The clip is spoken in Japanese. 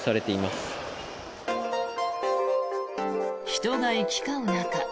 人が行き交う中